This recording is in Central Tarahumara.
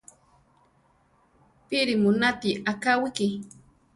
¿Píri mu náti akáwiki?